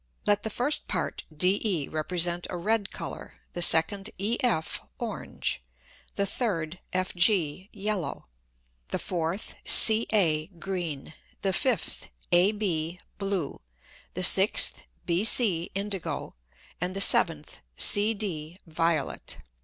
Let the first Part DE represent a red Colour, the second EF orange, the third FG yellow, the fourth CA green, the fifth AB blue, the sixth BC indigo, and the seventh CD violet.